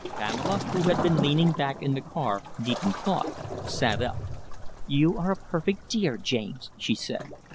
Pamela, who had been leaning back in the car, deep in thought, sat up. "You are a perfect dear, James," she said.